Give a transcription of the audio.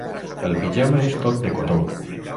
El pijama és tot de cotó.